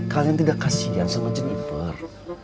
kalian tidak kasihan sama jenipar